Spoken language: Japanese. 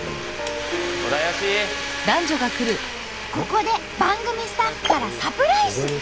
ここで番組スタッフからサプライズ！